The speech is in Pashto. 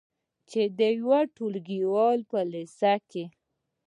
چې د یوې ټولګیوالې یې په لیسه کې